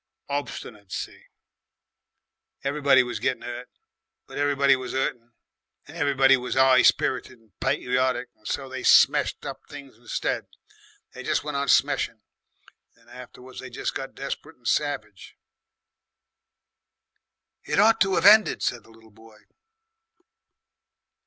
"Obstinacy. Everybody was getting 'urt, but everybody was 'urtin' and everybody was 'igh spirited and patriotic, and so they smeshed up things instead. They jes' went on smeshin'. And afterwards they jes' got desp'rite and savige." "It ought to 'ave ended," said the little boy.